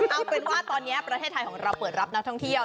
เอาเป็นว่าตอนนี้ประเทศไทยของเราเปิดรับนักท่องเที่ยว